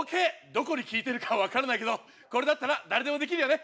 どこに効いてるかは分からないけどこれだったら誰でもできるよね！